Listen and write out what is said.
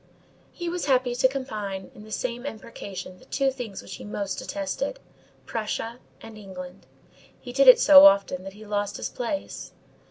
_ He was happy to combine in the same imprecation the two things which he most detested, Prussia and England. He did it so often that he lost his place.